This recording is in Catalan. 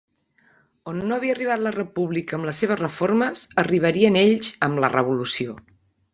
On no havia arribat la República amb les seves reformes, arribarien ells amb la revolució.